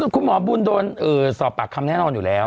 คุณหมอบุญโดนสอบปากคำแน่นอนอยู่แล้ว